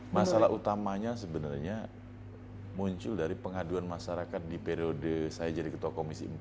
masalah utamanya sebenarnya muncul dari pengaduan masyarakat di periode saya jadi ketua komisi empat